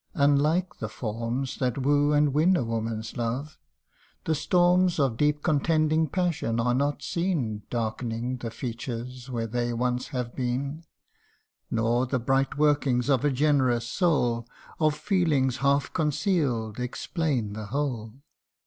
Unlike the forms That woo and win a woman's love the storms Of deep contending passions are not seen Darkening the features where they once have been, Nor the bright workings of a generous soul, Of feelings half conceal'd, explain the whole.